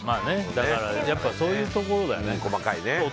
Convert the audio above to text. やっぱそういうところだよね。